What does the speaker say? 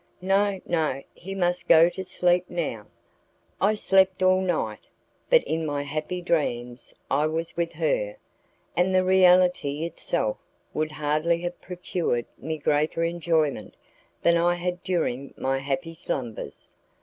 "No, no, he must go to sleep now." I slept all night, but in my happy dreams I was with her, and the reality itself would hardly have procured me greater enjoyment than I had during my happy slumbers.